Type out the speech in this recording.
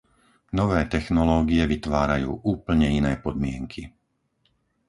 Nové technológie vytvárajú úplne iné podmienky.